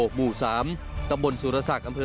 หมู่๓ตำบลสุรศักดิ์อำเภอ